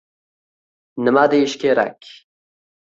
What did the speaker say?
Nima deyish kerak?